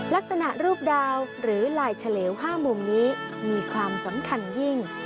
ลักษณะรูปดาวหรือลายเฉลว๕มุมนี้มีความสำคัญยิ่ง